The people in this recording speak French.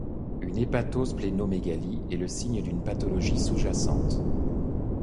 Une hépatosplénomégalie est le signe d'une pathologie sous-jacente.